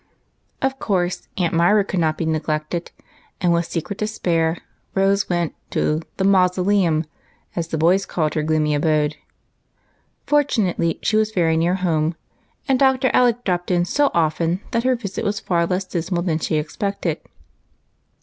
Of course. Aunt Myra could not be neglected, and, with secret despair, Rose went to the " Mausoleum," as the boys called her gloomy abode. Fortunately, she was very near home, and Dr. Alec dropped in so often that her visit was far less dismal than she expected.